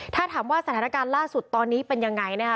ถ้าถามว่าสถานการณ์ล่าสุดตอนนี้เป็นยังไงนะคะ